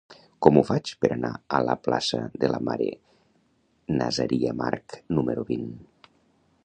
Com ho faig per anar a la plaça de la Mare Nazaria March número vint?